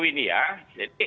penundaan pemilu ini ya